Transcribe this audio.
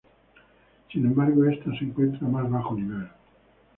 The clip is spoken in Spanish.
Sin embargo, esta se encuentra a más bajo nivel.